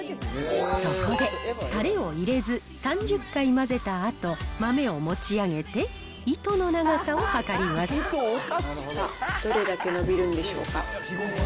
そこで、たれを入れず３０回混ぜたあと、豆を持ち上げて、どれだけ伸びるんでしょうか。